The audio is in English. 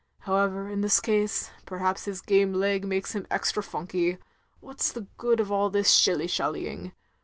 However, in this case, perhaps his game leg makes him extra funky. What 's the good of all this shilly shallying?